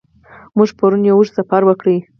موږ پرون یو اوږد سفر وکړ.